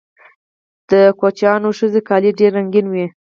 د کوچیانیو ښځو کالي ډیر رنګین وي.